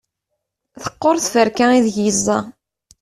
teqqur tferka ideg yeẓẓa